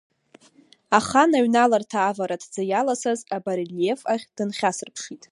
Ахан аҩналарҭа авара аҭӡы иаласаз абарельиеф ахь дынхьасырԥшит.